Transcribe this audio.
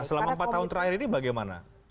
selama empat tahun terakhir ini bagaimana